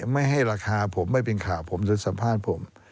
ไม่ให้ราคาผมไม่เป็นข่าวผมจะสัมภาษณ์ผม